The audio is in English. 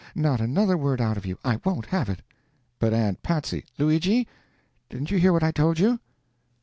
Not another word out of you I won't have it!" "But, Aunt Patsy " "Luigi! Didn't you hear what I told you?"